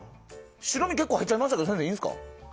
白身結構入っちゃいましたけど先生、いいんですか？